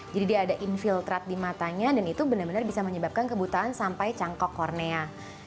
jadi dia ada infiltrat di matanya dan itu benar benar bisa menyebabkan kebutuhan sampai cangkok kornea